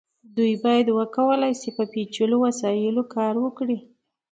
دوی باید وکولی شي په پیچلو وسایلو کار وکړي.